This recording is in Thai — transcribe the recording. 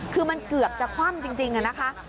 คือมันเกือบจะคว่ำจริงนะคะ